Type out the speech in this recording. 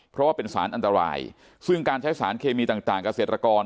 เพราะว่าเป็นสารอันตรายซึ่งการใช้สารเคมีต่างเกษตรกร